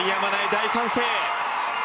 大歓声。